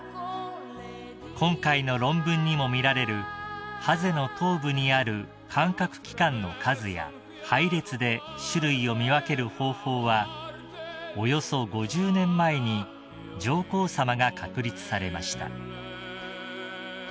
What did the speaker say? ［今回の論文にも見られるハゼの頭部にある感覚器官の数や配列で種類を見分ける方法はおよそ５０年前に上皇さまが確立されました］